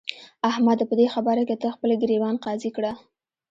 احمده! په دې خبره کې ته خپل ګرېوان قاضي کړه.